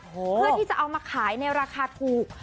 เพื่อที่จะเอามาขายในราคาถูก